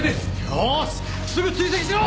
よしすぐ追跡しろ！